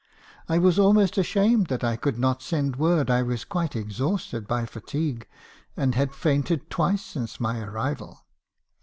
I was almost ashamed that I could not send word I was quite exhausted by fatigue, and had fainted twice since my arrival.